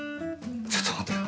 ちょっと待てよ。